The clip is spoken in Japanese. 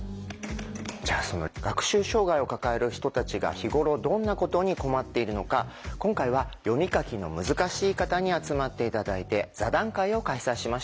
じゃあその学習障害を抱える人たちが日頃どんなことに困っているのか今回は読み書きの難しい方に集まって頂いて座談会を開催しました。